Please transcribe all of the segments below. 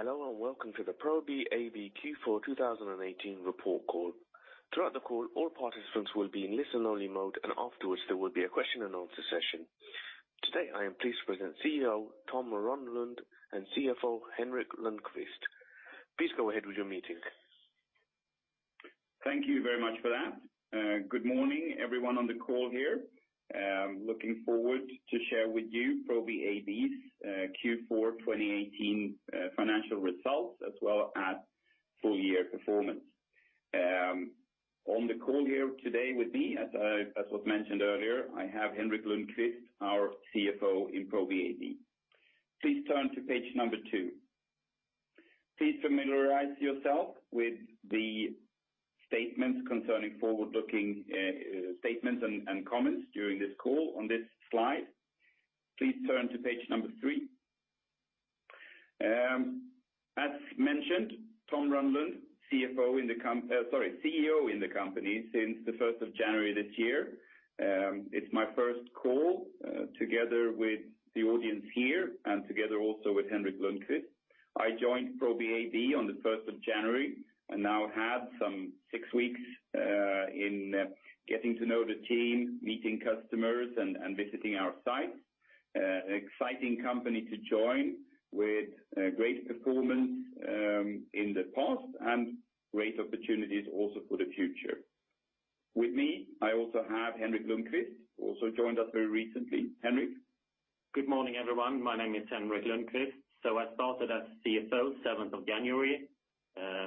Hello, welcome to the Probi AB Q4 2018 report call. Throughout the call, all participants will be in listen-only mode, afterwards there will be a question and answer session. Today, I am pleased to present CEO Tom Rönnlund and CFO Henrik Lundkvist. Please go ahead with your meeting. Thank you very much for that. Good morning, everyone on the call here. Looking forward to share with you Probi AB's Q4 2018 financial results, as well as full-year performance. On the call here today with me, as was mentioned earlier, I have Henrik Lundkvist, our CFO in Probi AB. Please turn to page number two. Please familiarize yourself with the statements concerning forward-looking statements and comments during this call on this slide. Please turn to page number three. As mentioned, Tom Rönnlund, CEO in the company since the 1st of January this year. It's my first call together with the audience here, together also with Henrik Lundkvist. I joined Probi AB on the 1st of January, now have some six weeks in getting to know the team, meeting customers, and visiting our sites. Exciting company to join, with great performance in the past, great opportunities also for the future. With me, I also have Henrik Lundkvist, also joined us very recently. Henrik. Good morning, everyone. My name is Henrik Lundkvist. I started as CFO 7th of January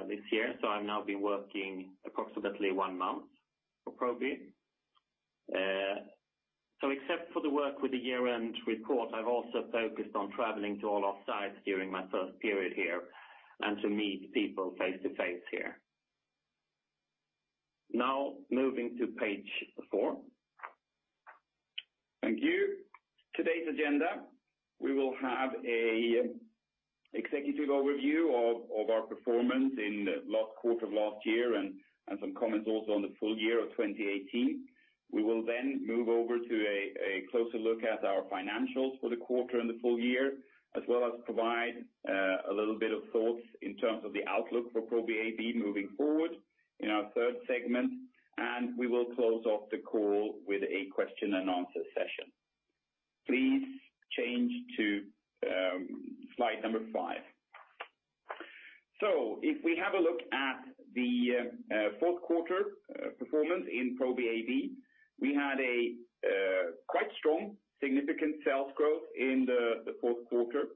this year. I've now been working approximately one month for Probi. Except for the work with the year-end report, I've also focused on traveling to all our sites during my first period here to meet people face-to-face here. Moving to page four. Thank you. Today's agenda, we will have an executive overview of our performance in the last quarter of last year and some comments also on the full year of 2018. We will move over to a closer look at our financials for the quarter and the full year, as well as provide a little bit of thoughts in terms of the outlook for Probi AB moving forward in our third segment. We will close off the call with a question and answer session. Please change to slide number five. If we have a look at the fourth quarter performance in Probi AB, we had a quite strong, significant sales growth in the fourth quarter.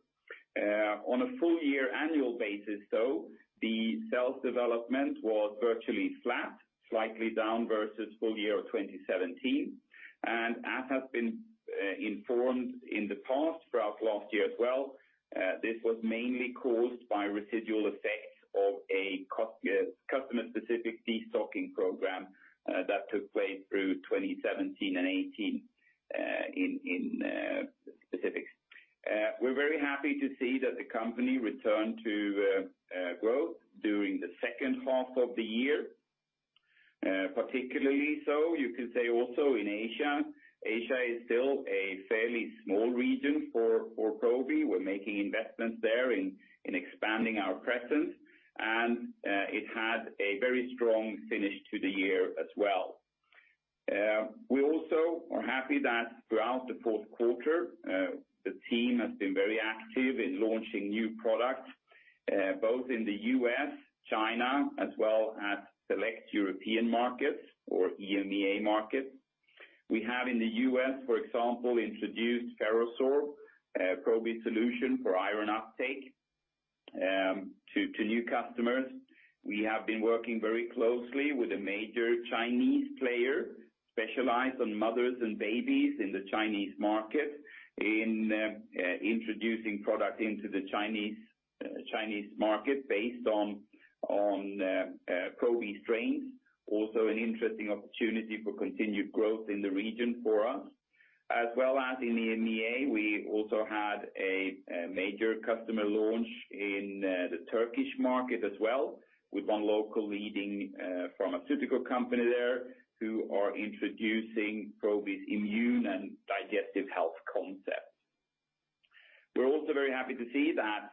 On a full year annual basis, though, the sales development was virtually flat, slightly down versus full year of 2017. As has been informed in the past, throughout last year as well, this was mainly caused by residual effects of a customer-specific destocking program that took place through 2017 and 2018 in specifics. We're very happy to see that the company returned to growth during the second half of the year. Particularly so, you can say also in Asia. Asia is still a fairly small region for Probi. We're making investments there in expanding our presence, and it had a very strong finish to the year as well. We also are happy that throughout the fourth quarter, the team has been very active in launching new products both in the U.S., China, as well as select European markets or EMEA markets. We have in the U.S., for example, introduced FerroSorb, a Probi solution for iron uptake to new customers. We have been working very closely with a major Chinese player, specialized on mothers and babies in the Chinese market, in introducing product into the Chinese market based on Probi strains. Also an interesting opportunity for continued growth in the region for us, as well as in EMEA. We also had a major customer launch in the Turkish market as well with one local leading pharmaceutical company there who are introducing Probi's immune and digestive health concepts. We're also very happy to see that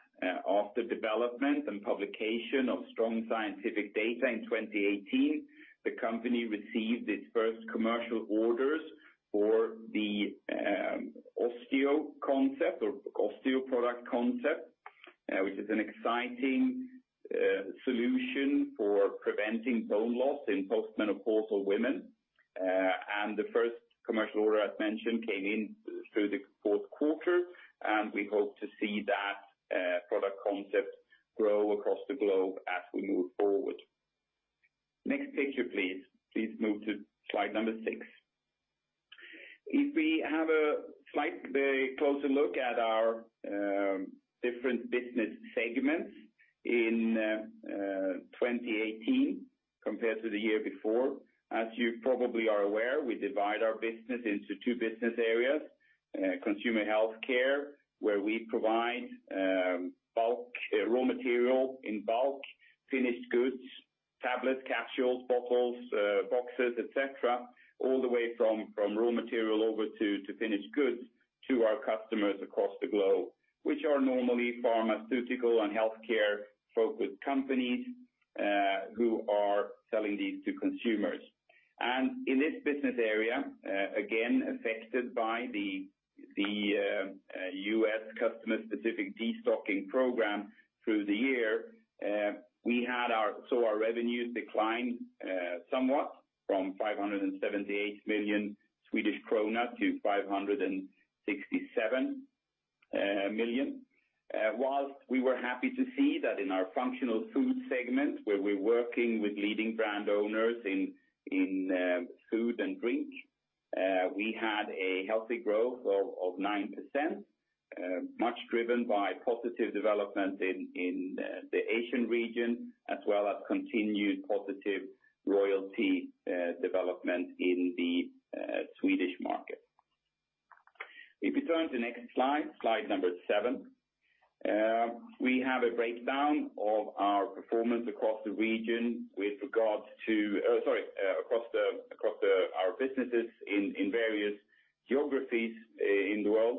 after development and publication of strong scientific data in 2018, the company received its first commercial orders for the Osteo concept or Osteo product concept, which is an exciting solution for preventing bone loss in post-menopausal women. The first commercial order, as mentioned, came in through the fourth quarter, and we hope to see that product concept grow across the globe as we move forward. Next picture, please. Please move to slide number six. If we have a slightly closer look at our different business segments in 2018 compared to the year before, as you probably are aware, we divide our business into two business areas. Consumer healthcare, where we provide raw material in bulk, finished goods: Tablets, capsules, bottles, boxes, et cetera, all the way from raw material over to finished goods to our customers across the globe, which are normally pharmaceutical and healthcare-focused companies who are selling these to consumers. In this business area, again, affected by the U.S. customer-specific destocking program through the year, our revenues declined somewhat from 578 million Swedish krona to 567 million. Whilst we were happy to see that in our Functional Food segment, where we're working with leading brand owners in food and drink, we had a healthy growth of 9%, much driven by positive development in the Asian region, as well as continued positive royalty development in the Swedish market. If you turn to the next slide seven. We have a breakdown of our performance across our businesses in various geographies in the world.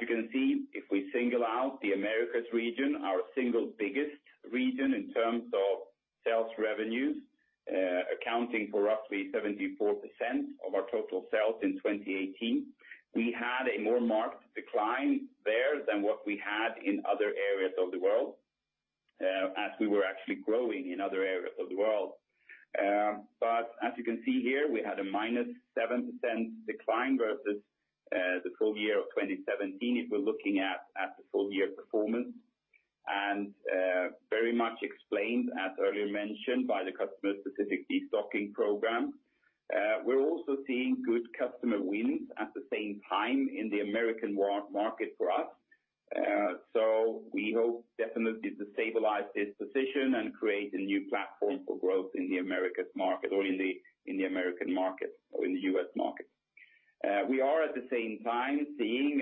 You can see, if we single out the Americas region, our single biggest region in terms of sales revenues, accounting for roughly 74% of our total sales in 2018, we had a more marked decline there than what we had in other areas of the world, as we were actually growing in other areas of the world. As you can see here, we had a -7% decline versus the full year of 2017 if we're looking at the full-year performance, very much explained, as earlier mentioned, by the customer-specific destocking program. We're also seeing good customer wins at the same time in the American market for us. We hope definitely to stabilize this position and create a new platform for growth in the Americas market or in the American market or in the U.S. market. We are, at the same time, seeing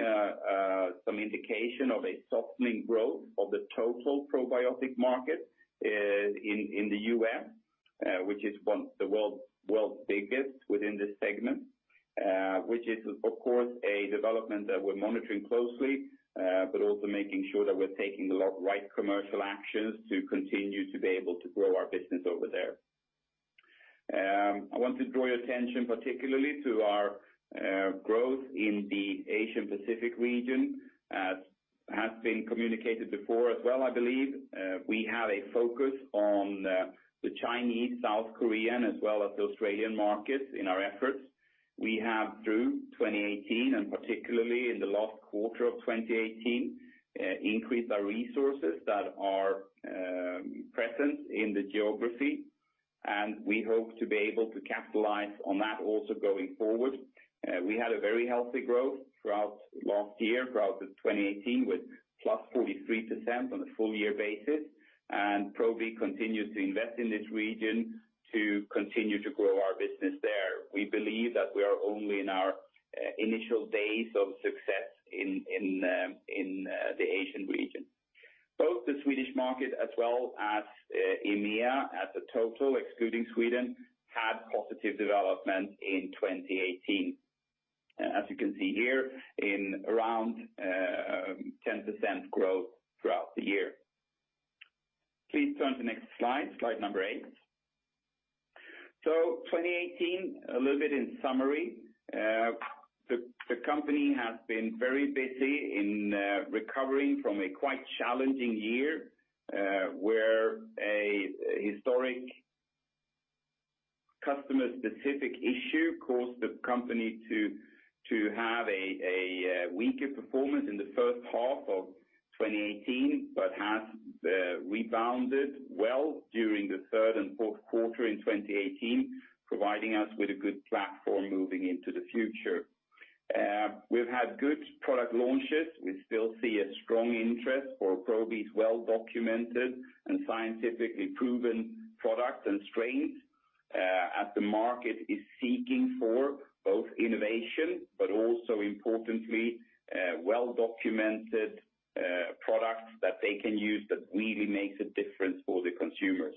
some indication of a softening growth of the total probiotic market in the U.S., which is one of the world's biggest within this segment, which is, of course, a development that we're monitoring closely, also making sure that we're taking the right commercial actions to continue to be able to grow our business over there. I want to draw your attention particularly to our growth in the Asian Pacific region, as has been communicated before as well, I believe. We have a focus on the Chinese, South Korean, as well as the Australian markets in our efforts. We have, through 2018, particularly in the last quarter of 2018, increased our resources that are present in the geography, we hope to be able to capitalize on that also going forward. We had a very healthy growth throughout last year, throughout the 2018, with +43% on a full-year basis, Probi continues to invest in this region to continue to grow our business there. We believe that we are only in our initial days of success in the Asian region. Both the Swedish market as well as EMEA as a total, excluding Sweden, had positive development in 2018. You can see here, in around 10% growth throughout the year. Please turn to the next slide eight. 2018, a little bit in summary. The company has been very busy in recovering from a quite challenging year, where a historic customer-specific issue caused the company to have a weaker performance in the first half of 2018, has rebounded well during the third and fourth quarter in 2018, providing us with a good platform moving into the future. We've had good product launches. We still see a strong interest for Probi's well-documented and scientifically proven products and strains, as the market is seeking for both innovation, also importantly well-documented products that they can use that really makes a difference for the consumers.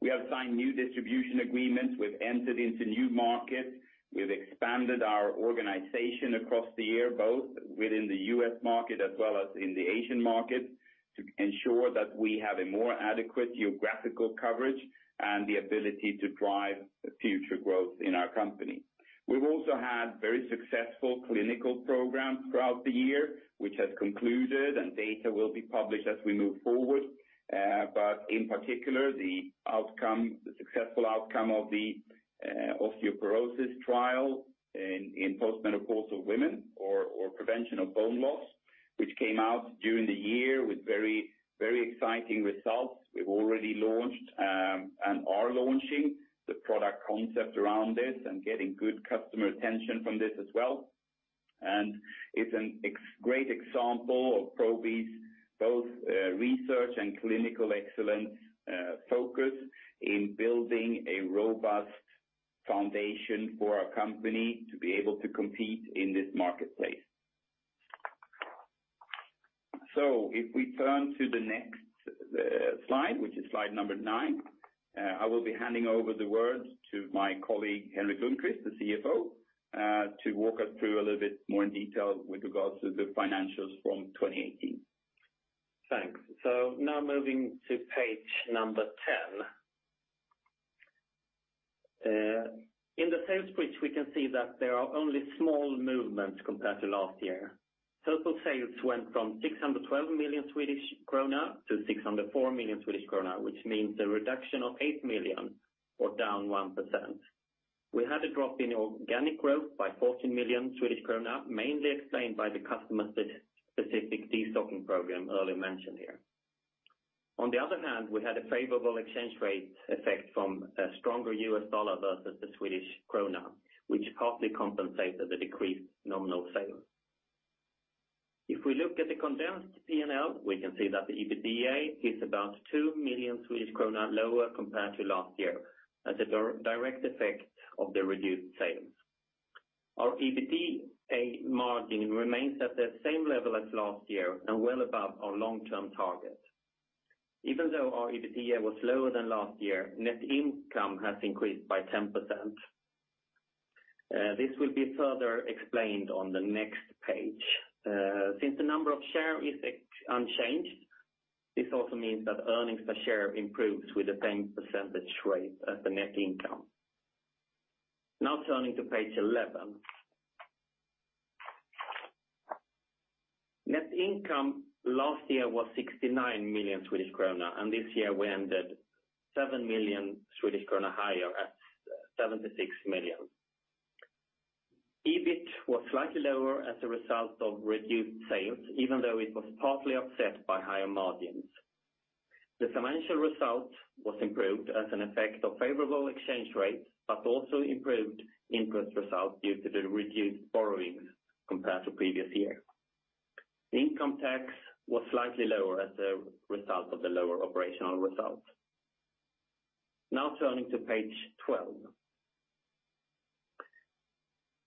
We have signed new distribution agreements. We've entered into new markets. We've expanded our organization across the year, both within the U.S. market as well as in the Asian market, to ensure that we have a more adequate geographical coverage and the ability to drive future growth in our company. We've also had very successful clinical programs throughout the year, which have concluded, and data will be published as we move forward. In particular, the successful outcome of the osteoporosis trial in post-menopausal women or prevention of bone loss, which came out during the year with very exciting results. We've already launched and are launching the product concept around this and getting good customer attention from this as well. It's a great example of Probi's both research and clinical excellence focus in building a robust foundation for our company to be able to compete in this marketplace. If we turn to the next slide, which is slide number nine, I will be handing over the words to my colleague, Henrik Lundkvist, the CFO, to walk us through a little bit more in detail with regards to the financials from 2018. Thanks. Now moving to page number 10. In the sales pitch, we can see that there are only small movements compared to last year. Total sales went from 612 million Swedish krona to 604 million Swedish krona, which means a reduction of 8 million, or down 1%. We had a drop in organic growth by 14 million Swedish krona, mainly explained by the customer-specific de-stocking program earlier mentioned here. On the other hand, we had a favorable exchange rate effect from a stronger U.S. dollar versus the Swedish krona, which partly compensated the decreased nominal sales. If we look at the condensed P&L, we can see that the EBITDA is about 2 million Swedish krona lower compared to last year as a direct effect of the reduced sales. Our EBITDA margin remains at the same level as last year and well above our long-term target. Even though our EBITDA was lower than last year, net income has increased by 10%. This will be further explained on the next page. Since the number of share is unchanged, this also means that earnings per share improves with the same percentage rate as the net income. Now turning to page 11. Net income last year was 69 million Swedish krona, and this year we ended 7 million Swedish krona higher at 76 million. EBIT was slightly lower as a result of reduced sales, even though it was partly offset by higher margins. The financial result was improved as an effect of favorable exchange rates, but also improved interest results due to the reduced borrowings compared to previous year. Income tax was slightly lower as a result of the lower operational results. Now turning to page 12.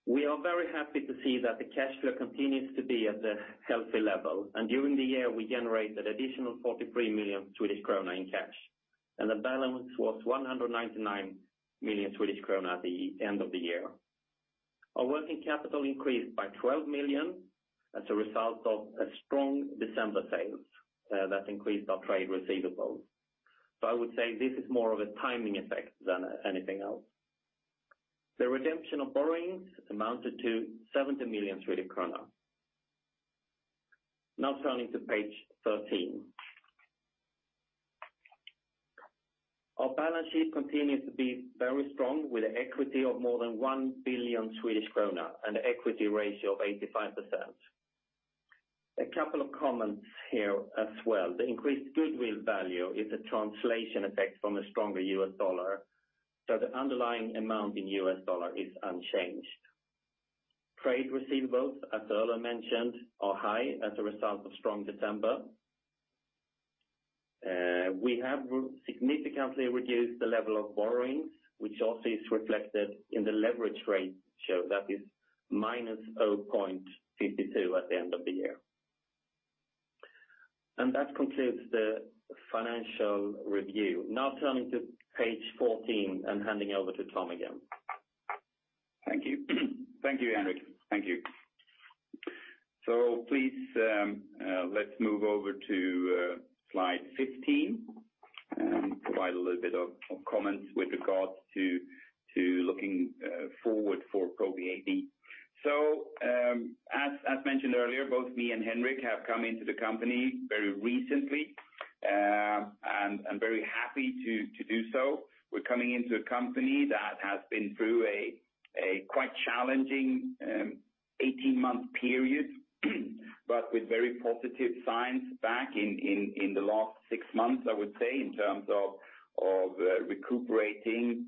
We are very happy to see that the cash flow continues to be at a healthy level. During the year, we generated additional 43 million Swedish krona in cash, and the balance was 199 million Swedish krona at the end of the year. Our working capital increased by 12 million as a result of strong December sales that increased our trade receivables. I would say this is more of a timing effect than anything else. The redemption of borrowings amounted to 70 million Swedish kronor. Now turning to page 13. Our balance sheet continues to be very strong with an equity of more than 1 billion Swedish kronor and an equity ratio of 85%. A couple of comments here as well. The increased goodwill value is a translation effect from a stronger US dollar, so the underlying amount in US dollar is unchanged. Trade receivables, as earlier mentioned, are high as a result of strong December. We have significantly reduced the level of borrowings, which also is reflected in the leverage rate shown that is -0.52 at the end of the year. That concludes the financial review. Now turning to page 14 and handing over to Tom again. Thank you, Henrik. Thank you. Please let's move over to slide 15 and provide a little bit of comments with regards to looking forward for Probi AB. As mentioned earlier, both me and Henrik have come into the company very recently, and very happy to do so. We're coming into a company that has been through a quite challenging 18-month period, but with very positive signs back in the last six months, I would say, in terms of recuperating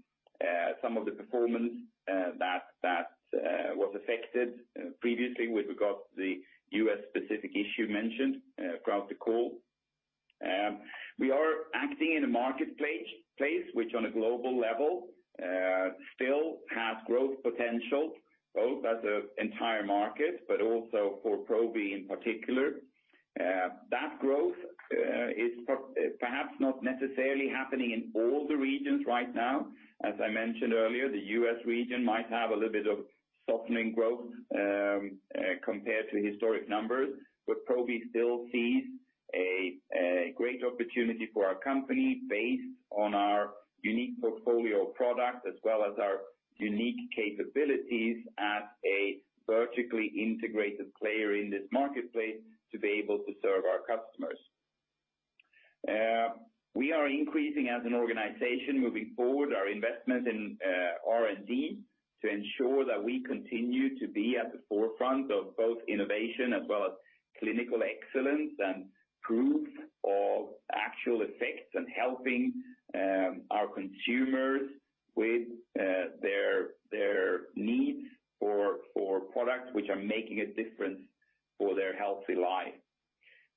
some of the performance that was affected previously with regards to the U.S.-specific issue mentioned throughout the call. We are acting in a marketplace, which on a global level still has growth potential, both as an entire market, but also for Probi in particular. That growth is perhaps not necessarily happening in all the regions right now. As I mentioned earlier, the U.S. region might have a little bit of softening growth compared to historic numbers. Probi still sees a great opportunity for our company based on our unique portfolio of products as well as our unique capabilities as a vertically integrated player in this marketplace to be able to serve our customers. We are increasing as an organization moving forward our investment in R&D to ensure that we continue to be at the forefront of both innovation as well as clinical excellence and proof of actual effects and helping our consumers with their needs for products which are making a difference for their healthy life.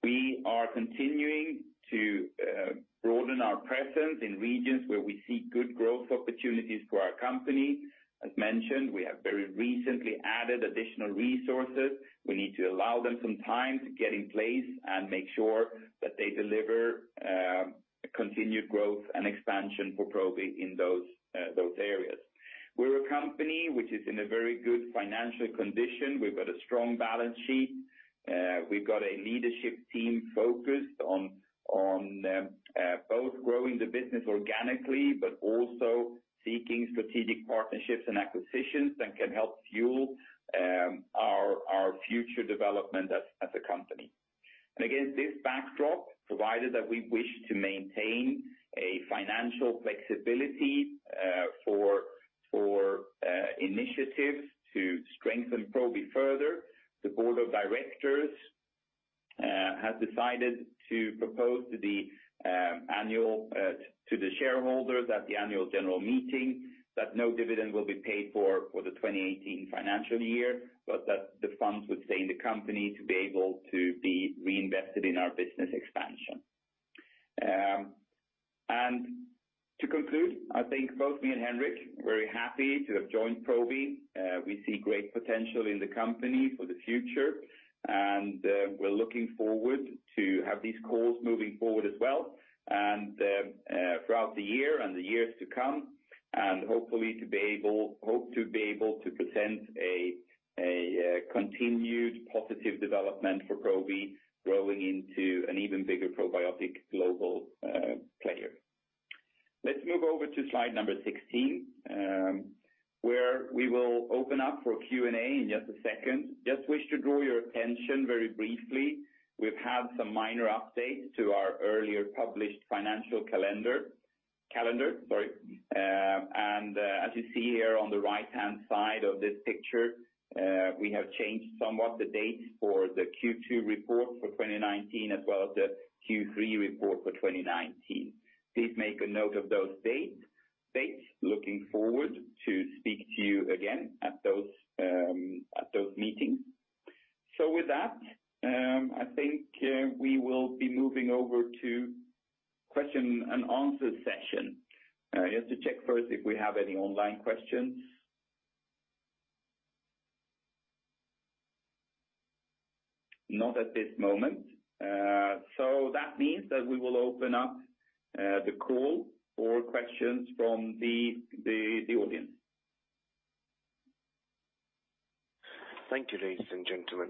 We are continuing to broaden our presence in regions where we see good growth opportunities for our company. As mentioned, we have very recently added additional resources. We need to allow them some time to get in place and make sure that they deliver continued growth and expansion for Probi in those areas. We're a company which is in a very good financial condition. We've got a strong balance sheet. We've got a leadership team focused on both growing the business organically, but also seeking strategic partnerships and acquisitions that can help fuel our future development as a company. Again, this backdrop, provided that we wish to maintain a financial flexibility for initiatives to strengthen Probi further, the board of directors has decided to propose to the shareholders at the annual general meeting that no dividend will be paid for the 2018 financial year, but that the funds would stay in the company to be able to be reinvested in our business expansion. To conclude, I think both me and Henrik, very happy to have joined Probi. We see great potential in the company for the future. We're looking forward to have these calls moving forward as well, throughout the year and the years to come, hope to be able to present a continued positive development for Probi growing into an even bigger probiotic global player. Let's move over to slide number 16, where we will open up for Q&A in just a second. Just wish to draw your attention very briefly. We've had some minor updates to our earlier published financial calendar. As you see here on the right-hand side of this picture, we have changed somewhat the dates for the Q2 report for 2019, as well as the Q3 report for 2019. Please make a note of those dates. Looking forward to speak to you again at those meetings. With that, I think we will be moving over to question and answer session. Just to check first if we have any online questions. Not at this moment. That means that we will open up the call for questions from the audience. Thank you, ladies and gentlemen.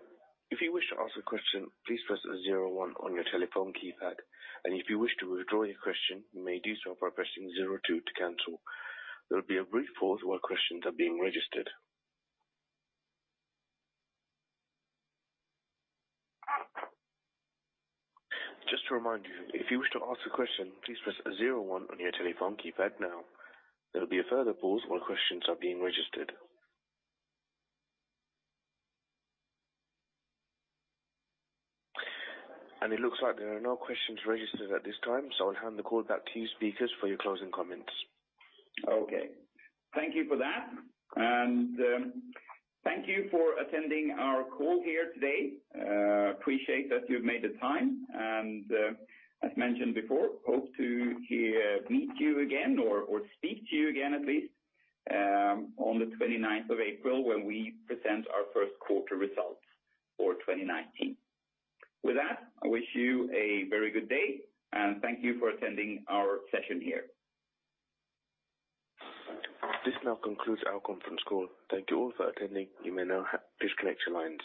If you wish to ask a question, please press zero one on your telephone keypad. If you wish to withdraw your question, you may do so by pressing zero two to cancel. There will be a brief pause while questions are being registered. Just to remind you, if you wish to ask a question, please press zero one on your telephone keypad now. There will be a further pause while questions are being registered. It looks like there are no questions registered at this time, so I'll hand the call back to you speakers for your closing comments. Okay. Thank you for that, and thank you for attending our call here today. Appreciate that you've made the time, and as mentioned before, hope to meet you again or speak to you again at least on the 29th of April when we present our first quarter results for 2019. With that, I wish you a very good day, and thank you for attending our session here. This now concludes our conference call. Thank you all for attending. You may now disconnect your lines.